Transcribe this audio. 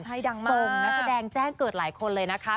ใช่ดังมากส่งนักแสดงแจ้งเกิดหลายคนเลยนะคะ